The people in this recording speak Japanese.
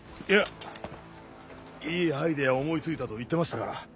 いやいいアイデアを思い付いたと言ってましたから。